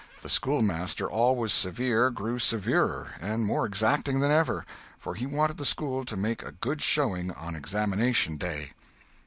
The schoolmaster, always severe, grew severer and more exacting than ever, for he wanted the school to make a good showing on "Examination" day.